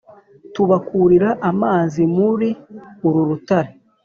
Tubakurira amazi muri uru rutare